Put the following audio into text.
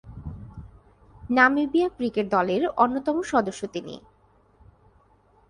Namibia cricket দলের অন্যতম সদস্য তিনি।